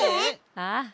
ああ。